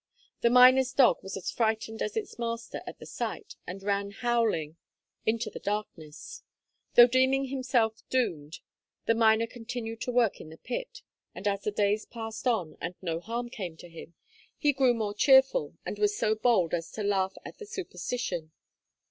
The miner's dog was as frightened as its master at the sight, and ran howling into the darkness. Though deeming himself doomed, the miner continued to work in the pit; and as the days passed on, and no harm came to him, he grew more cheerful, and was so bold as to laugh at the superstition.